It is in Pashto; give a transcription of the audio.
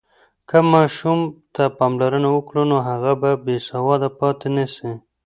که ماشوم ته پاملرنه وکړو، نو هغه به بېسواده پاتې نه سي.